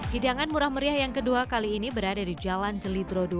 hidangan murah meriah yang kedua kali ini berada di jalan jelidro dua